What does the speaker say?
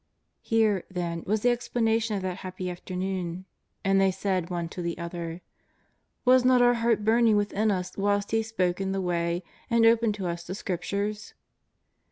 Here, then, was the explanation of that happy after noon. And they said one to the other: " Was not our heart burning within us whilst He spoke in the way and opened to us the Scriptures